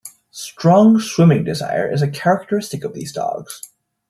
Strong swimming desire is a characteristic of these dogs.